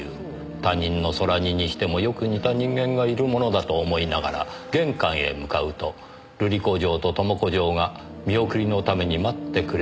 他人の空似にしてもよく似た人間がいるものだと思いながら玄関へ向かうと瑠璃子嬢と朋子嬢が見送りのために待ってくれていた」